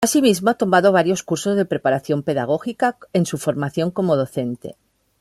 Asimismo ha tomado varios cursos de preparación pedagógica en su formación como docente.